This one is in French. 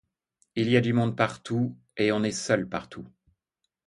Il y a du monde partout et on est seul partout.